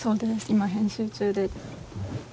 今、編集中で。